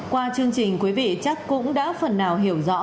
qua chương trình quý vị chắc cũng đã phần nào hiểu rõ